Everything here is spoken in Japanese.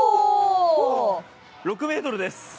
６ｍです。